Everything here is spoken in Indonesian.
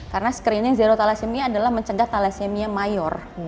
karena screening zero thalassemia adalah mencegah thalassemia mayor